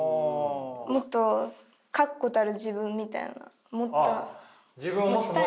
もっと確固たる自分みたいな持ちたい。